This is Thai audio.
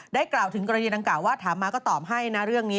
กล่าวถึงกรณีดังกล่าวว่าถามมาก็ตอบให้นะเรื่องนี้